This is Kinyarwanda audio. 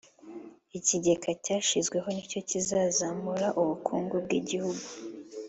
Ikigega cyashyizweho nicyo kizazamura ubukungu bw’igihugu